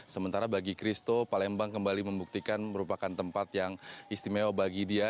sementara bagi christo palembang kembali membuktikan merupakan tempat yang istimewa bagi dia